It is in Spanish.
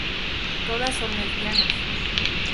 Todas son lesbianas.